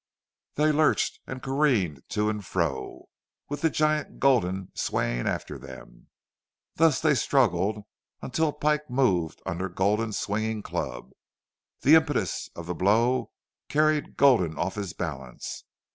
They lurched and careened to and fro, with the giant Gulden swaying after them. Thus they struggled until Pike moved under Gulden's swinging club. The impetus of the blow carried Gulden off his balance.